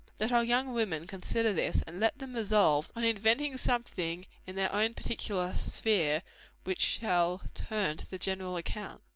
Let our young women consider this; and let them resolve on inventing something in their oven particular sphere, which shall turn to the general account.